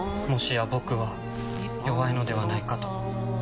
もしや僕は弱いのではないかと。